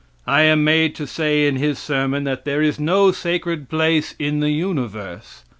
I am made to say in his sermon that there is no sacred place in the universe.